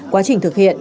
quá trình thực hiện